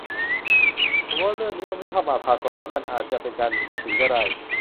ผมว่าเรื่องนี้มันไม่ชอบมาพากลนะ มันอาจจะเป็นการหนีภาษีก็ได้